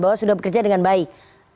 bahwa sudah bekerja dengan baik